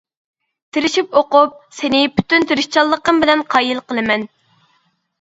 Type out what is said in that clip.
تىرىشىپ ئوقۇپ، سېنى پۈتۈن تىرىشچانلىقىم بىلەن قايىل قىلىمەن.